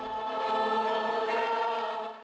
agung wibowo jombang jawa timur